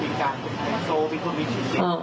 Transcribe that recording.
มีคนที่หมายถึงว่าในรูปของคดีที่มีการเป็นใคร